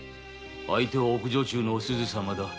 相手は奥女中のお鈴様だ。